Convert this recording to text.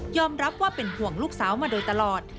รับว่าเป็นห่วงลูกสาวมาโดยตลอด